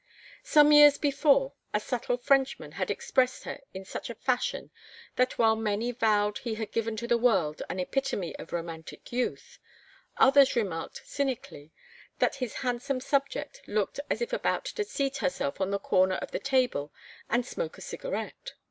Some years before, a subtle Frenchman had expressed her in such a fashion that while many vowed he had given to the world an epitome of romantic youth, others remarked cynically that his handsome subject looked as if about to seat herself on the corner of the table and smoke a cigarette.